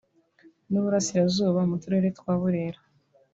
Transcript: n’Uburasirazuba mu turere twa Burera